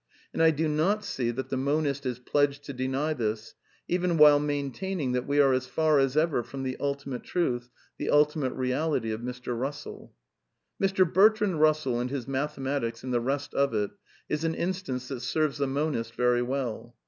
And I do not see that the monist is pledged to deny this, even while maintaining that we are as far as ever from the ultimate truth, the ultimate reality of Mr. Bussell. Mr. Bertrand Bussell, and his mathematics and the rest of it, is an instance that serves the monist very well.